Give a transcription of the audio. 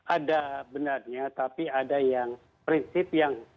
ada benarnya tapi ada yang prinsip yang